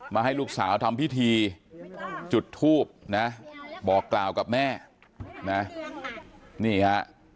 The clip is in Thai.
ให้ลูกสาวทำพิธีจุดทูบนะบอกกล่าวกับแม่นะนี่ฮะ